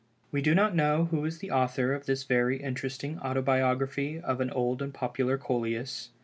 We do not know who is the author of this very interesting autobiography of an old and popular Coleus.